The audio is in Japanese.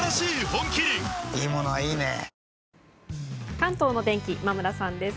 関東の天気、今村さんです。